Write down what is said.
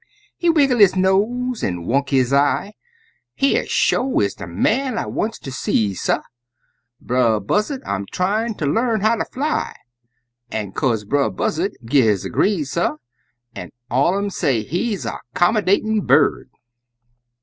He wiggle his nose, an' wunk his eye "Here sho is de man I wants ter see, suh! Brer Buzzard I'm tryin' ter l'arn how ter fly!" An' c'ose Brer Buzzard gi' his agree, suh, An' all un um say he's a 'commydatin' bird!